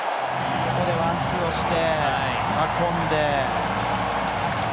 ワンツーをして運んで。